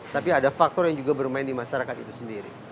tapi ada faktor yang juga bermain di masyarakat itu sendiri